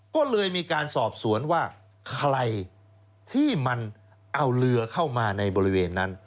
ก็เลยมีการสอบสวนว่าใครที่มันเอาเรือเข้ามาในบริเวณนั้น